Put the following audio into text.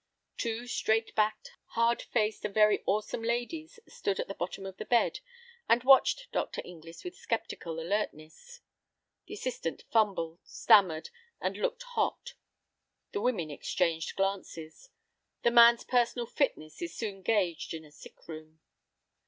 Two straight backed, hard faced, and very awesome ladies stood at the bottom of the bed and watched Dr. Inglis with sceptical alertness. The assistant fumbled, stammered, and looked hot. The women exchanged glances. A man's personal fitness is soon gauged in a sick room.